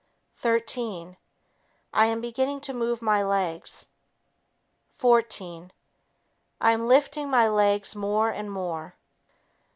Thirteen ... I am beginning to move my legs. Fourteen ... I am lifting my legs more and more.